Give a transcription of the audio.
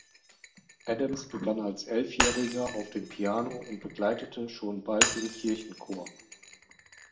Adams begann als Elfjähriger auf dem Piano und begleitete schon bald den Kirchenchor.